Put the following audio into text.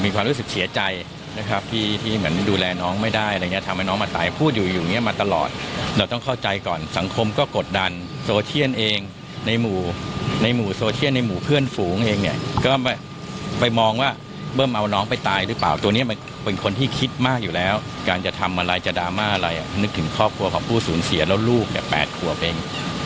การจะทำอะไรจะดราม่าอะไรนึกถึงครอบครัวของผู้สูญเสียแล้วลูกแบบ๘ครัวเป็น